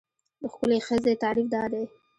د ښکلې ښځې تعریف دا دی.